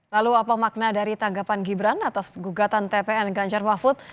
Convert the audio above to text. lalu apa makna dari tanggapan gibran atas gugatan tpn ganjar mahfud